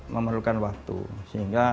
memerlukan waktu sehingga